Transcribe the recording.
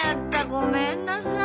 ごめんなさい。